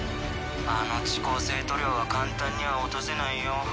あの遅効性塗料は簡単には落とせないよ。